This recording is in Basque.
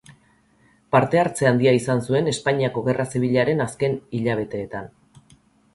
Parte-hartze handia izan zuen Espainiako Gerra Zibilaren azken hilabeteetan.